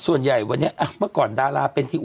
ส่วนใหญ่วันนี้เมื่อก่อนดาราเป็นที่